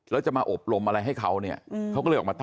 แล้วจะมาอบ